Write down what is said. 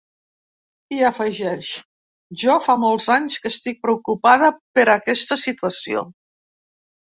I afegeix: Jo fa molts anys que estic preocupada per aquesta situació.